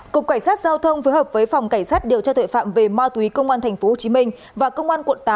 cục cảnh sát giao thông phối hợp với phòng cảnh sát điều tra tuệ phạm về ma túy công an tp hcm và công an quận tám